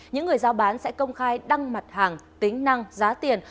những người giao bán sẽ công khai đăng mặt hàng tính năng giá tiền